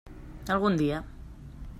Algun dia.